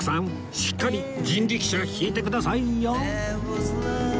しっかり人力車引いてくださいよ！